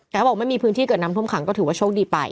แต่ถ้าบอกไม่มีพื้นที่เกิดน้ำท่วมขังก็ถือว่าโชคดีไป